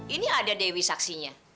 ini ada deh wi saksinya